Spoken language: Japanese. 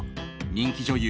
人気女優